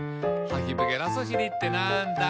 「ハヒブゲラソシリってなんだ？」